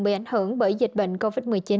bị ảnh hưởng bởi dịch bệnh covid một mươi chín